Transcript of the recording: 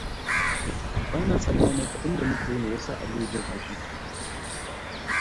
Bana tsammanin abinda muka yi ne ya sa Aliyu jin haushi.